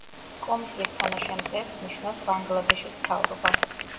კომისრის თანაშემწეებს ნიშნავს ბანგლადეშის მთავრობა.